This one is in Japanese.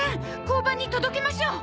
交番に届けましょう！